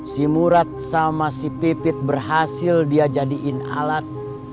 si murat sama si pipit berhasil dia jadiin alat